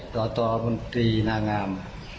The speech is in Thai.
ตบมนตรีนางาม